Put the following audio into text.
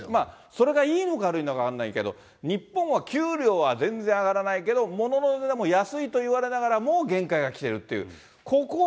それがいいのか悪いのか分かんないけど、日本は給料は全然上がらないけど、物の値段も安いといわれながらもう限界が来てるっ